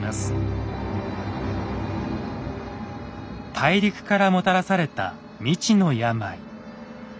大陸からもたらされた未知の病。